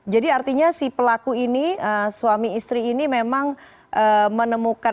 jadi artinya si pelaku ini suami istri ini memang menemukan atau memiliki keluarga